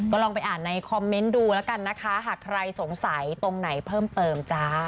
ลองไปอ่านในคอมเมนต์ดูแล้วกันนะคะหากใครสงสัยตรงไหนเพิ่มเติมจ้า